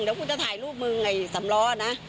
เดี๋ยวกูจะถ่ายรูปมึงไอ้สำล้อนะ